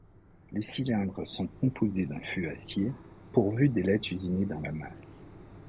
Les cylindres sont composés d’un fût acier, pourvu d’ailettes usinées dans la masse.